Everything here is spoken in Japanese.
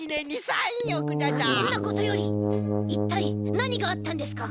そんなことよりいったいなにがあったんですか？